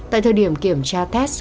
tại thời điểm kiểm tra test